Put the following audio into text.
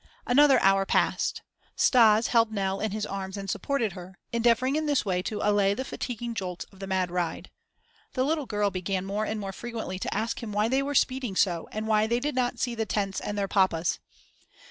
Another hour passed. Stas held Nell in his arms and supported her, endeavoring in this way to allay the fatiguing jolts of the mad ride. The little girl began more and more frequently to ask him why they were speeding so and why they did not see the tents and their papas.